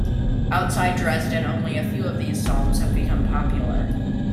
Outside Dresden only a few of these Psalms have become popular.